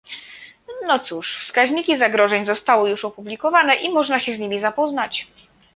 No cóż, wskaźniki zagrożeń zostały już opublikowane i można się z nimi zapoznać